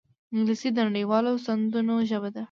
انګلیسي د نړيوالو سندونو ژبه ده